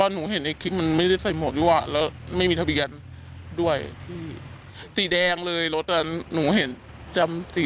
มันเป็นซอยกันแต่มันก็ไปได้เยอะไง